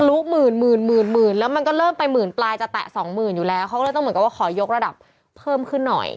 ลุหมื่นหมื่นหมื่นแล้วมันก็เริ่มไปหมื่นปลายจะแตะสองหมื่นอยู่แล้วเขาก็เลยต้องเหมือนกับว่าขอยกระดับเพิ่มขึ้นหน่อย